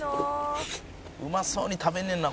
「うまそうに食べんねんな